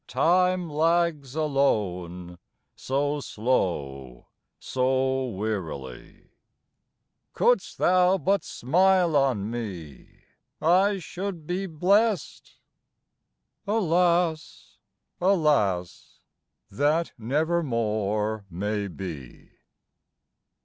Time lags alone so slow, so wearily; Couldst thou but smile on me, I should be blest. Alas, alas! that never more may be.